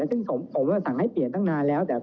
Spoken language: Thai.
เรามีการปิดบันทึกจับกลุ่มเขาหรือหลังเกิดเหตุแล้วเนี่ย